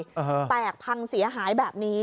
แตกพังเสียหายแบบนี้